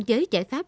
giới giải pháp